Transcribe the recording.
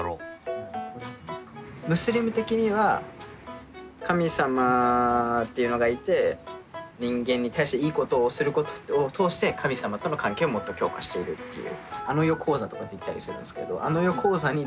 ムスリム的には神様っていうのがいて人間に対していいことをすることを通して神様との関係をもっと強化しているっていう。